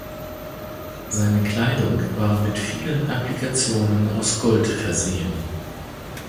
Seine Kleidung war mit vielen Applikationen aus Gold versehen.